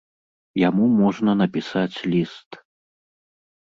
Яму можна напісаць ліст.